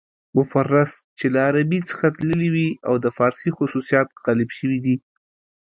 مفرس چې له عربي څخه تللي وي او د فارسي خصوصیات غالب شوي دي.